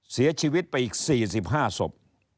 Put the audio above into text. เสียชีวิตไปอีก๔๕ศพ